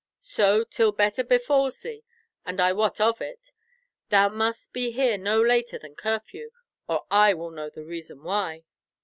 So, till better befals thee, and I wot of it, thou must be here no later than curfew, or I will know the reason why."